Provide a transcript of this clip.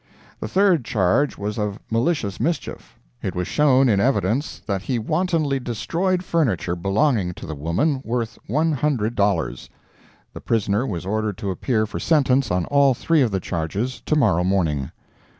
The third charge was of malicious mischief. It was shown in evidence that he wantonly destroyed furniture belonging to the woman, worth one hundred dollars. The prisoner was ordered to appear for sentence on all three of the charges, to morrow morning.